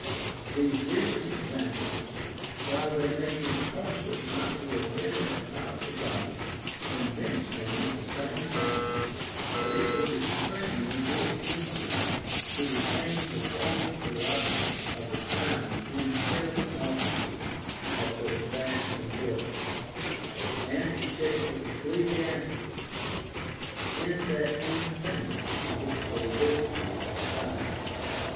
These recent examples, while they made him cautious not to offend that powerful body, convinced him, at the same time, that it was extremely his interest to retain the former prerogative of the crown in filling offices of such vast importance, and to check the ecclesiastics in that independence to which they visibly aspired.